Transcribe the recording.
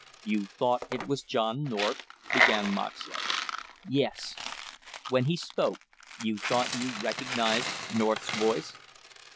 "You thought it was John North?" began Moxlow. "Yes." "When he spoke, you thought you recognized North's voice?"